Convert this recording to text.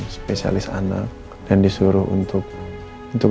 spesialis anak dan disuruh untuk